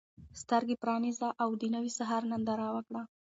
سترګې پرانیزه او د نوي سهار ننداره وکړه.